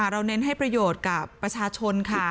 เน้นให้ประโยชน์กับประชาชนค่ะ